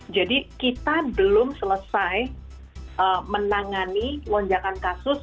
jadi kita belum selesai menangani lonjakan kasus